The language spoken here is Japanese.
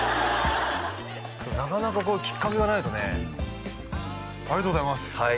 でもなかなかこういうきっかけがないとねありがとうございます